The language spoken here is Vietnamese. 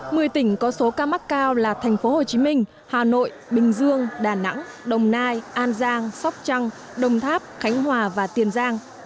mười tỉnh có số ca mắc cao là thành phố hồ chí minh hà nội bình dương đà nẵng đồng nai an giang sóc trăng đồng tháp khánh hòa và tiền giang